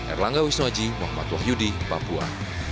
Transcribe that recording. erlangga wisnuaji muhammad wahyudi papua